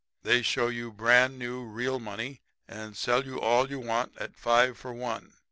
They show you brand new real money and sell you all you want at five for one.